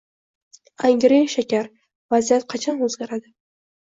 “Angren shakar”: Vaziyat qachon o‘zgaradi?